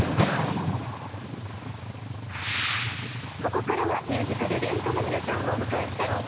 ここからはミュージカル『ＲＥＮＴ』の皆さんをお迎えしてお送りします。